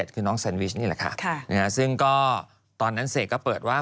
คือน้องแซนวิชนี่แหละค่ะซึ่งก็ตอนนั้นเสกก็เปิดว่า